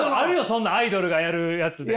そんなアイドルがやるやつで！